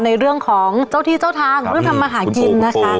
ในเรื่องของเจ้าที่เจ้าทางเรื่องทำมาหากินนะคะ